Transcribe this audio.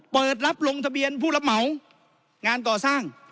เปิดรับลงทะเบียนผู้รับเหมางานก่อสร้าง